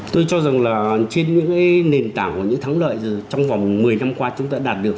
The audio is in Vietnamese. tôi cho rằng là trên những nền tảng và những thắng lợi trong vòng một mươi năm qua chúng ta đạt được